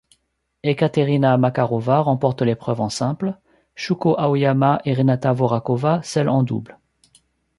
Ekaterina Makarova remporte l'épreuve en simple, Shuko Aoyama et Renata Voráčová celle en double.